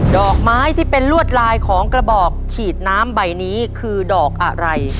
ดอกไม้ที่เป็นลวดลายของกระบอกฉีดน้ำใบนี้คือดอกอะไร